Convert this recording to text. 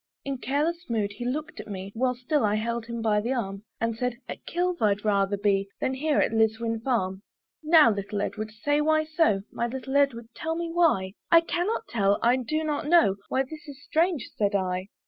In careless mood he looked at me, While still I held him by the arm, And said, "At Kilve I'd rather be "Than here at Liswyn farm." "Now, little Edward, say why so; My little Edward, tell me why;" "I cannot tell, I do not know," "Why this is strange," said I.